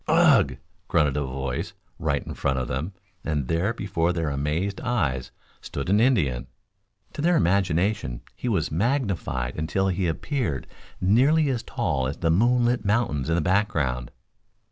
"Ugh!" grunted a voice right in front of them, and there before their amazed eyes stood an Indian. To their imaginations, he was magnified until he appeared nearly as tall as the moonlit mountains in the background.